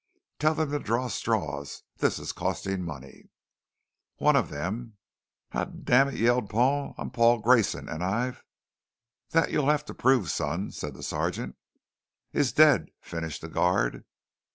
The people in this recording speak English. "Tell 'em to draw straws. This is costing money." "One of them " "Goddammmit!" yelled Paul, "I'm Paul Grayson and I've " "That you'll have to prove, son," said the sergeant. " is dead," finished the guard.